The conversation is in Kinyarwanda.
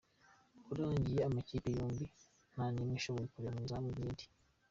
Warangiye amakipe yombi nta n’imwe ishoboye kureba mu izamu ry’indi.